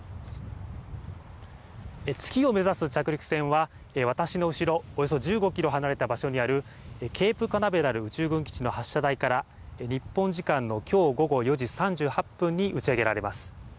月を目指す着陸船は私の後ろおよそ１５キロ離れた場所にあるケープ・カナベラル宇宙軍基地の発射台から日本時間のきょう午後４時３８分に打ち上げられます。